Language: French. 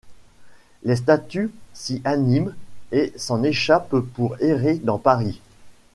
Les statues s'y animent et s'en échappent pour errer dans Paris.